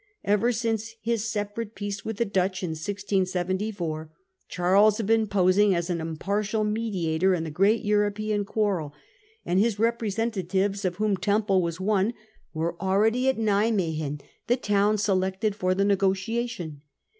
Ever since his separate peace with the Dutch in 1674, Charles Congress at had been posing as an impartial mediator in Nimwegen. the g rea t European quarrel , and his representa tives, of whom Temple was one, were already at Nim wegen, the town selected for the negotiation.